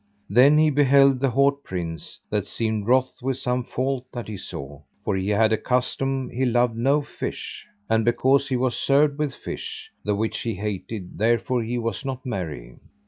Then he beheld the haut prince, that seemed wroth with some fault that he saw; for he had a custom he loved no fish, and because he was served with fish, the which he hated, therefore he was not merry.